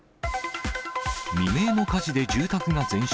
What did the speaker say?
未明の火事で住宅が全焼。